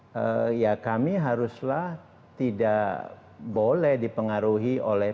jadi ya kami haruslah tidak boleh dipengaruhi oleh